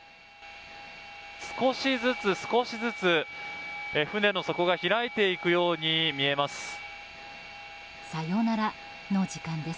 少しずつ、船の底が開いていくように見えます。